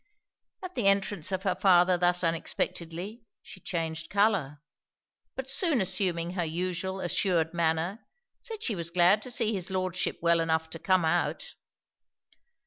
At the entrance of her father thus unexpectedly, she changed colour; but soon assuming her usual assured manner, said she was glad to see his Lordship well enough to come out.